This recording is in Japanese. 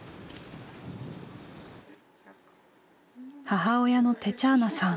母親のテチャーナさん。